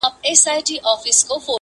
چي قاتل هجوم د خلکو وو لیدلی!